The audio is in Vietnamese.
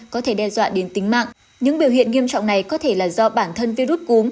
có thể đe dọa đến tính mạng những biểu hiện nghiêm trọng này có thể là do bản thân virus cúm